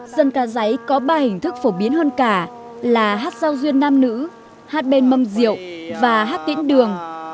dân ca giấy có ba hình thức phổ biến hơn cả là hát giao duyên nam nữ hát bên mâm rượu và hát kẽn đường